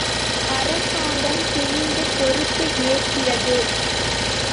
அரசாங்கம் துணிந்து பொறுப்பு ஏற்கிறது.